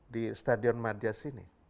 di stadion madias ini